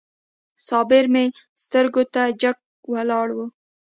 صابر مې سترګو ته جګ ولاړ و.